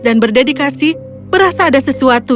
dan berdedikasi berasa ada sesuatu